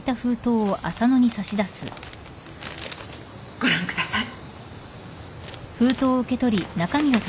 ご覧ください。